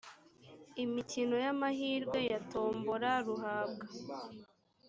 imikino y amahirwe ya tombola ruhabwa